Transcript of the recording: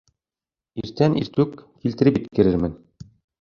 — Иртән иртүк килтереп еткерермен.